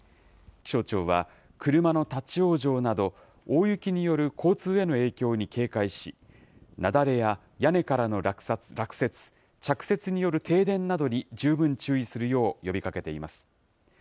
気象庁は、車の立往生など、大雪による交通への影響に警戒し、雪崩や屋根からの落雪、着雪による停電などに十分注意するよう呼びかけています。